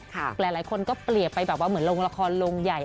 หลายคนก็เปรียบไปแบบว่าเหมือนลงละครลงใหญ่